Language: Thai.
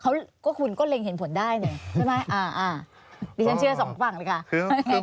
เขาก็คุณก็เล็งเห็นผลได้หนึ่งใช่ไหมอ่าอ่าดิฉันเชื่อสองฝั่งเลยค่ะ